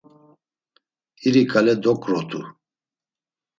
İri ǩale doǩrotu.